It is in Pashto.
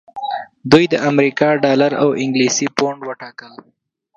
دوی د امریکا ډالر او انګلیسي پونډ وټاکل.